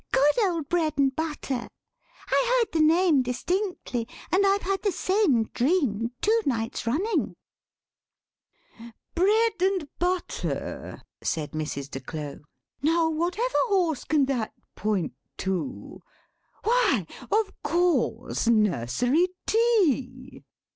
Good old Bread and Butter.' I heard the name distinctly, and I've had the same dream two nights running." "Bread and Butter," said Mrs. de Claux, "now, whatever horse can that point to? Why—of course; Nursery Tea!"